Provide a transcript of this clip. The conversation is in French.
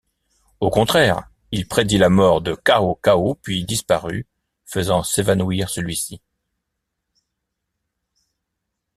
Au contraire, il prédit la mort de Cao Cao puis disparut, faisant s'évanouir celui-ci.